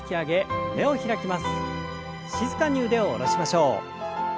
静かに腕を下ろしましょう。